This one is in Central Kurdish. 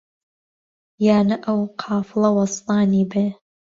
یا نە ئەو قافڵە وەستانی بێ؟